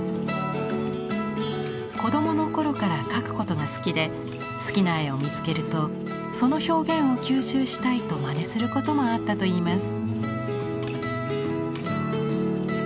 子供の頃から描くことが好きで好きな絵を見つけるとその表現を吸収したいとまねすることもあったといいます。